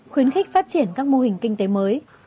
khuyến khích phát triển các mô hình kinh tế mới